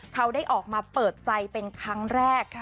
เขาได้ออกมาเปิดใจเป็นครั้งแรก